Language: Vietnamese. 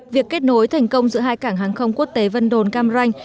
việc kết nối thành công giữa hai cảng hàng không quốc tế vân đồn cam ranh